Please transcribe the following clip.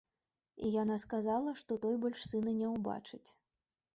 І яна сказала, што той больш сына не ўбачыць.